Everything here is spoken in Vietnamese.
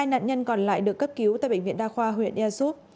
hai nạn nhân còn lại được cấp cứu tại bệnh viện đa khoa huyện yasup